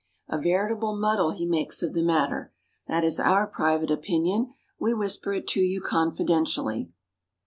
A veritable muddle he makes of the matter that is our private opinion we whisper it to you confidentially.